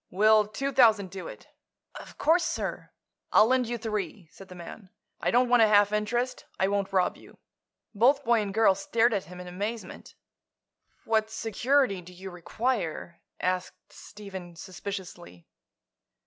"Will two thousand do it?" "Of course, sir." "I'll lend you three," said the man. "I don't want a half interest. I won't rob you." Both boy and girl stared at him in amazement. "What security do you require?" asked Stephen, suspiciously.